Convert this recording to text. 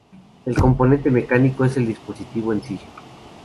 El componente mecánico es el dispositivo en sí.